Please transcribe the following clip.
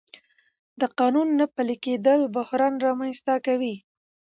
د قانون نه پلي کېدل بحران رامنځته کوي